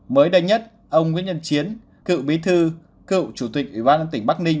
mới đây nhất ông nguyễn nhân chiến cựu bí thư cựu chủ tịch ủy ban tỉnh bắc ninh